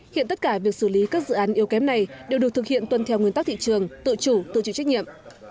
hiện tất cả việc xử lý các dự án yếu kém này đều được thực hiện tuân theo nguyên tắc thị trường tự chủ tự chịu trách nhiệm